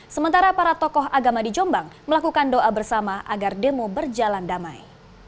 sementara para tokoh agama di jombang melakukan doa bersama agar demo berjalan damai